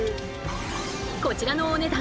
こちらのお値段